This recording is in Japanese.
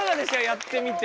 やってみて。